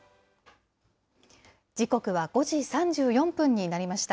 時刻は５時３４分になりました。